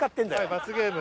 罰ゲーム。